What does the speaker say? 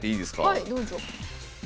はいどうぞ。